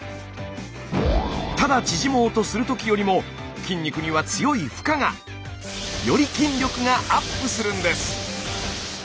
ただ縮もうとするときよりも筋肉には強い負荷が！より筋力がアップするんです！